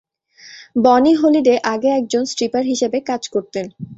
বনি হলিডে আগে একজন স্ট্রিপার হিসেবে কাজ করতেন।